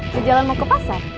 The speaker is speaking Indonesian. sejalan mau ke pasar